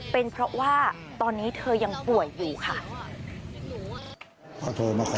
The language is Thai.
เป็นเพราะว่าตอนนี้เธอยังป่วยอยู่ค่ะ